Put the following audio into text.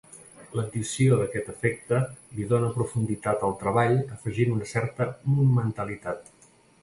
L'addició d'aquest efecte li dóna profunditat al treball afegint una certa monumentalitat.